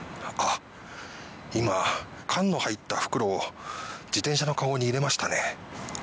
缶の入った袋を自転車のかごに入れましたね。